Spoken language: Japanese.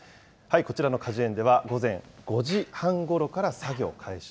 こちらの果樹園では、午前５時半ごろから作業開始。